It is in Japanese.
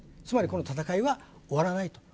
つまり、この戦いは終わらない。